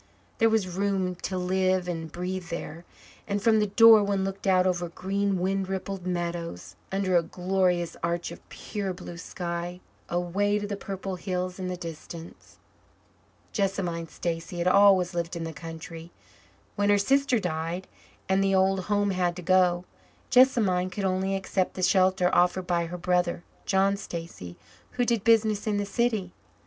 There was room to live and breathe there, and from the door one looked out over green wind rippled meadows, under a glorious arch of pure blue sky, away to the purple hills in the distance. Jessamine Stacy had always lived in the country. When her sister died and the old home had to go, Jessamine could only accept the shelter offered by her brother, John Stacy, who did business in the city.